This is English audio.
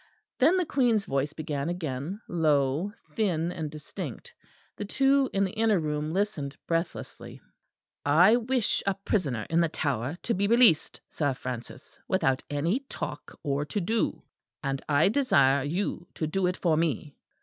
Then the Queen's voice began again, low, thin, and distinct. The two in the inner room listened breathlessly. "I wish a prisoner in the Tower to be released, Sir Francis; without any talk or to do. And I desire you to do it for me."